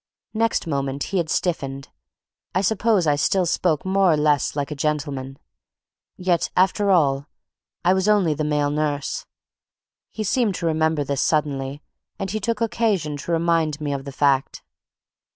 Next moment he had stiffened. I suppose I still spoke more or less like a gentleman. Yet, after all, I was only the male nurse. He seemed to remember this suddenly, and he took occasion to remind me of the fact.